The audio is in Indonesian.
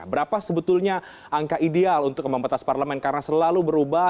berapa sebetulnya angka ideal untuk ambang batas parlemen karena selalu berubah